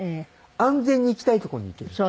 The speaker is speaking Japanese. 安全に行きたいとこに行ける。